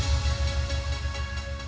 terima kasih pak elektrikan ini